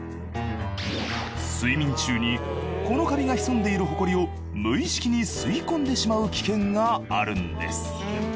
睡眠中にこのカビが潜んでいるホコリを無意識に吸い込んでしまう危険があるんです。